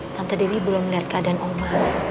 tante dewi belum melihat keadaan oma